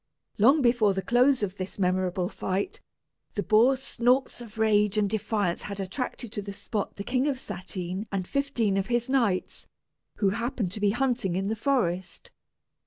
Long before the close of this memorable fight, the boar's snorts of rage and defiance had attracted to the spot the King of Satyn and fifteen of his knights, who happened to be hunting in the forest.